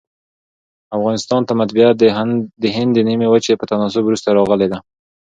افغانستان ته مطبعه دهند د نیمي وچي په تناسب وروسته راغلې ده.